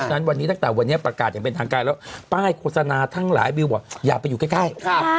ฉะวันนี้ตั้งแต่วันนี้ประกาศอย่างเป็นทางการแล้วป้ายโฆษณาทั้งหลายบิวบอกอย่าไปอยู่ใกล้